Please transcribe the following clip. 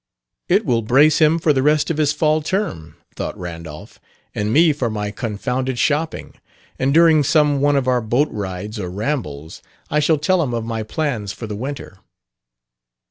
"It will brace him for the rest of his fall term," thought Randolph, "and me for my confounded shopping. And during some one of our boat rides or rambles, I shall tell him of my plans for the winter."